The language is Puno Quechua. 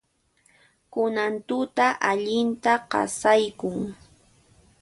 Kunan tuta allinta qasaykun.